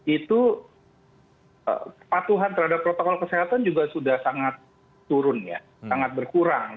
itu patuhan terhadap protokol kesehatan juga sudah sangat turun ya sangat berkurang